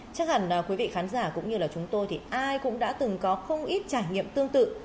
chắc hẳn quý vị khán giả cũng như là chúng tôi thì ai cũng đã từng có không ít trải nghiệm tương tự